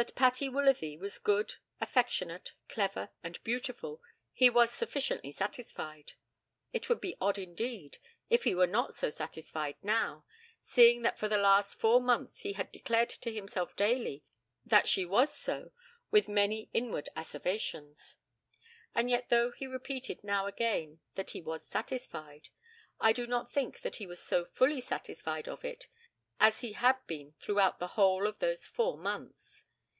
That Patty Woolsworthy was good, affectionate, clever, and beautiful, he was sufficiently satisfied. It would be odd indeed if he were not so satisfied now, seeing that for the last four months he had declared to himself daily that she was so with many inward asseverations. And yet though he repeated now again that he was satisfied, I do not think that he was so fully satisfied of it as he had been throughout the whole of those four months.